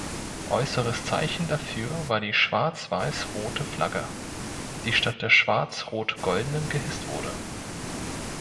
Äußeres Zeichen dafür war die schwarz-weiß-rote Flagge, die statt der schwarz-rot-goldenen gehisst wurde.